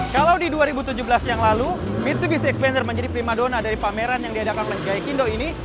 kalau di dua ribu tujuh belas yang lalu mitsubis expener menjadi prima dona dari pameran yang diadakan oleh gaikindo ini